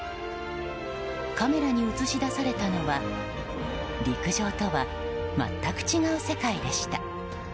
カメラに映し出されたのは陸上とは全く違う世界でした。